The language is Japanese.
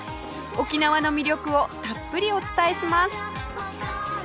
沖縄の魅力をたっぷりお伝えします